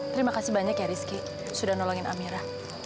terima kasih banyak ya rizky sudah nolongin amira